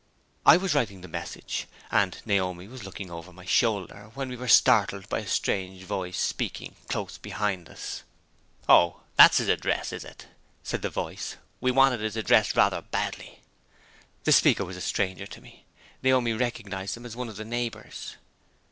I was writing the message, and Naomi was looking over my shoulder, when we were startled by a strange voice speaking close behind us. "Oh! that's his address, is it?" said the voice. "We wanted his address rather badly." The speaker was a stranger to me. Naomi recognized him as one of the neighbors.